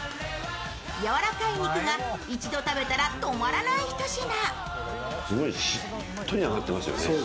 柔らかい肉が一度食べたら止まらないひと品。